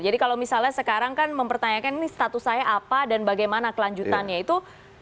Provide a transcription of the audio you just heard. jadi kalau misalnya sekarang kan mempertanyakan ini status saya apa dan bagaimana kelanjutannya itu